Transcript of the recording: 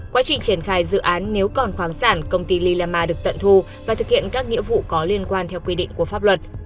quá trình triển khai dự án nếu còn khoáng sản công ty lila ma được tận thu và thực hiện các nghĩa vụ có liên quan theo quy định của pháp luật